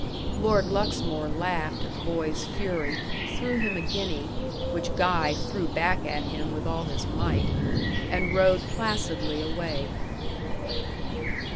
Lord Luxmore laughed at the boy's fury threw him a guinea, which Guy threw back at him with all his might, and rode placidly away.